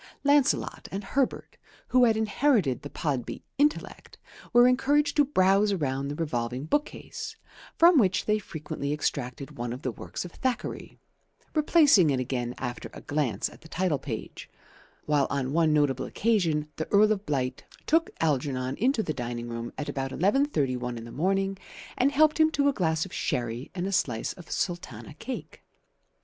Lancelot and Herbert, who had inherited the Podby intellect, were encouraged to browse around the revolving bookcase, from which they frequently extracted one of the works of Thackeray, replacing it again after a glance at the title page; while on one notable occasion the Earl of Blight took Algernon into the dining room at about 11.31 in the morning and helped him to a glass of sherry and a slice of sultana cake.